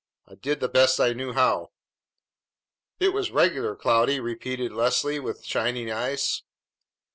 I did the best I knew how." "It was regular, Cloudy!" repeated Leslie with shining eyes.